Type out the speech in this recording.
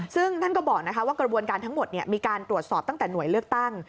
ซึ่งท่านก็บอกว่ากระบวนการทั้งหมดมีการตรวจสอบตั้งแต่หน่วยเลือกตั้ง